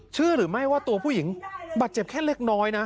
เชื่อหรือไม่ว่าตัวผู้หญิงบาดเจ็บแค่เล็กน้อยนะ